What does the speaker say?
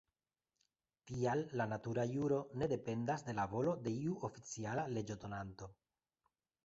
Tial la natura juro ne dependas de la volo de iu oficiala leĝodonanto.